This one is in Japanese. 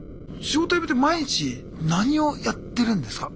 仕事辞めて毎日何をやってるんですか？